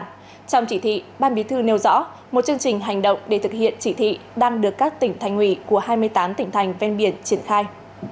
trong chỉ thị ban bí thư nêu rõ một chương trình hành động để thực hiện chỉ thị đang được các tỉnh thành ủy của hai mươi tám tỉnh thành ven biển triển khai